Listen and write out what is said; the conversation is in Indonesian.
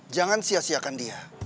jangan sia siakan dia